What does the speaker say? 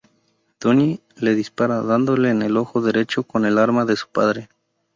Donnie le dispara, dándole en el ojo derecho con el arma de su padre.